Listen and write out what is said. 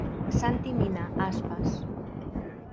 Santi Mina, Aspas.